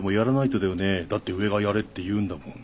だって上がやれって言うんだもん。